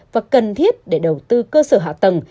và cần thiết để đầu tư cơ sở hạ tầng